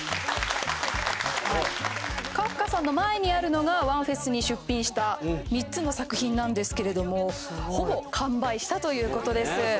カフカさんの前にあるのがワンフェスに出品した３つの作品なんですけれどもほぼ完売したということです